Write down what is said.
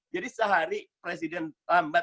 jadi sehari presiden lambat